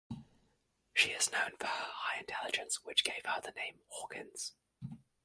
She is known for her high intelligence which gave her the name Hawkins